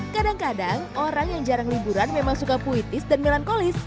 kadang kadang orang yang jarang liburan memang suka puitis dan melankolis